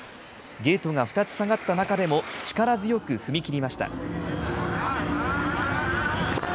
ゲートが２つ下がった中でも、力強く踏み切りました。